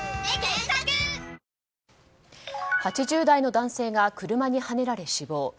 ８０代の男性が車にはねられ死亡。